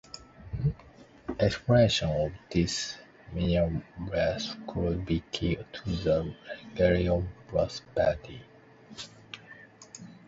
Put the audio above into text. Exploitation of this mineral wealth could be key to the region's prosperity.